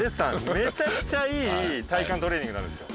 めちゃくちゃいい体幹トレーニングになるんですよ。